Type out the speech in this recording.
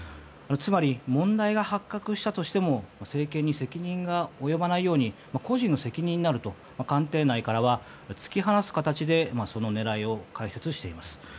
つまり、問題が発覚したとしても政権に責任が及ばないように個人の責任になると官邸内からは突き放す形でその狙いを解説しています。